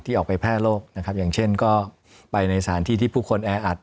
ออกไปแพร่โรคนะครับอย่างเช่นก็ไปในสถานที่ที่ผู้คนแออัด